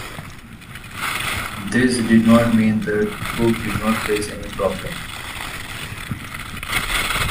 This did not mean that Kok did not face any problems..